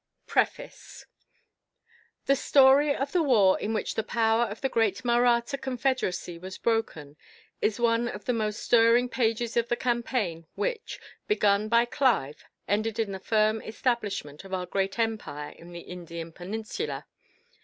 Preface. The story of the war in which the power of the great Mahratta confederacy was broken is one of the most stirring pages of the campaigns which, begun by Clive, ended in the firm establishment of our great empire in the Indian Peninsula.